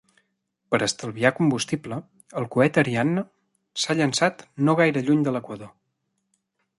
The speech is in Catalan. Per estalviar combustible, el coet Ariane s'ha llançat no gaire lluny de l'equador.